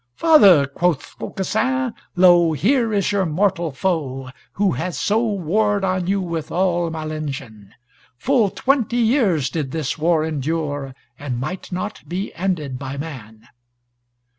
"Father," quoth Aucassin, "lo here is your mortal foe, who hath so warred on you with all malengin. Full twenty years did this war endure, and might not be ended by man."